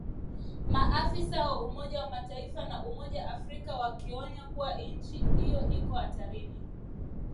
maafisa wa Umoja wa Mataifa na Umoja wa Afrika wakionya kuwa nchi hiyo iko hatarini